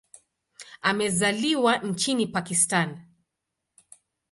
Amezaliwa nchini Pakistan.